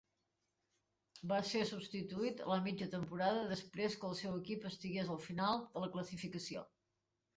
Va ser substituït a la mitja temporada després que el seu equip estigués al final de la classificació.